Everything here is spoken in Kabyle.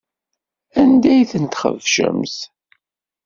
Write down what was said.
Anda ay ten-txebcemt?